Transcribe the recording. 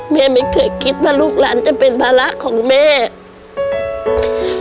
แม่ไม่เคยคิดว่าลูกหลานจะเป็นภาระของแม่แม่รักหนูนะลูกนี่ก็รักแม่นะ